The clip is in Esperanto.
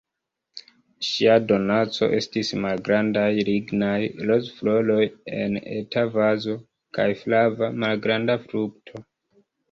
Ŝia donaco estis malgrandaj lignaj rozfloroj en eta vazo, kaj flava, malgranda frukto.